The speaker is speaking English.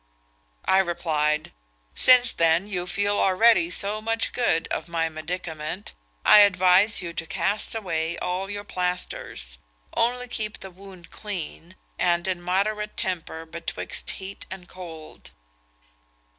I replied, 'Since, then, you feel already so much good of my medicament, I advise you to cast away all your plasters; only keep the wound clean, and in a moderate temper betwixt heat and cold.'